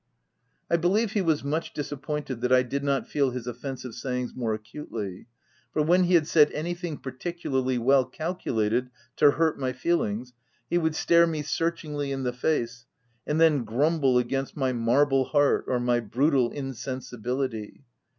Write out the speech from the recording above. I believe he was much disappointed that I did not feel his offensive sayings more accutely, for when he had said anything particularly well calculated to hurt my feelings, he would stare me searchingly in the face, and then grumble against my " marble heart, or my " brutal in sensibility."